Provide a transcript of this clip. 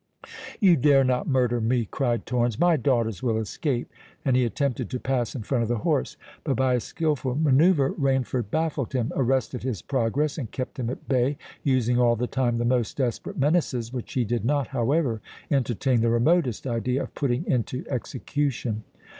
"You dare not murder me!" cried Torrens. "My daughters will escape!"—and he attempted to pass in front of the horse. But by a skilful manœuvre, Rainford baffled him—arrested his progress—and kept him at bay, using all the time the most desperate menaces, which he did not, however, entertain the remotest idea of putting into execution.